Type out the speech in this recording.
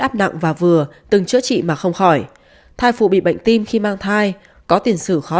áp nặng và vừa từng chữa trị mà không khỏi thai phụ bị bệnh tim khi mang thai có tiền sử khó